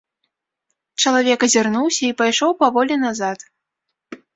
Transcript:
Чалавек азірнуўся і пайшоў паволі назад.